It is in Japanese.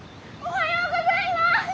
おはようございます！